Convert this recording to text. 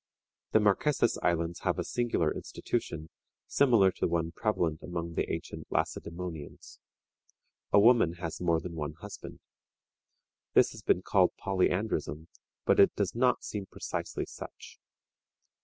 The Marquesas Islands have a singular institution, similar to one prevalent among the ancient Lacedæmonians. A woman has more than one husband. This has been called polyandrism, but it does not seem precisely such.